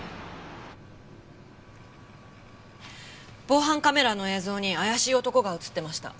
防犯カメラの映像に怪しい男が映ってました。